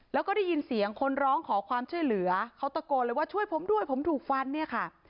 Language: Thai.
แล้วก็ได้ยินเสียงคนร้องขอความช่วยเหลือเขาตะโกนเลยว่าช่วยผมด้วยผมถูกฟันเนี่ยค่ะ